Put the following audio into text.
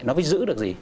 nó phải giữ được gì